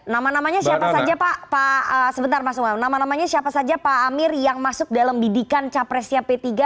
nama namanya siapa saja pak amir yang masuk dalam didikan capresnya p tiga